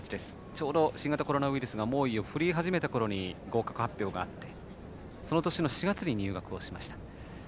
ちょうど新型コロナウイルスが猛威を振るい始めたときに合格発表があってその年の４月に入学をしました。